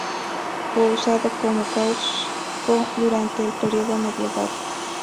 Fue usado como casco durante el periodo medieval.